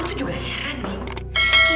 aku tuh juga heran di